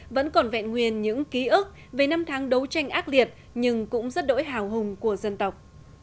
vẫn còn vẹn nguyên những ký ức về năm tháng đấu tranh ác liệt nhưng cũng rất đỗi hào hùng của dân tộc